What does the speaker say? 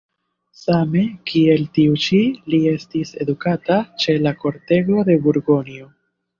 Same kiel tiu ĉi li estis edukata ĉe la kortego de Burgonjo.